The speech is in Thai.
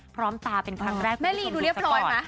พร้อมตาเป็นครั้งแรกแม่ลีดูเรียบร้อยไหม